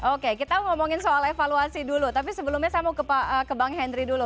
oke kita ngomongin soal evaluasi dulu tapi sebelumnya saya mau ke bang henry dulu